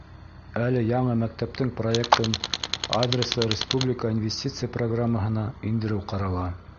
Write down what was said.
Әле яңы мәктәптең проектын адреслы республика инвестиция программаһына индереү ҡарала.